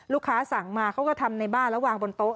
สั่งมาเขาก็ทำในบ้านแล้ววางบนโต๊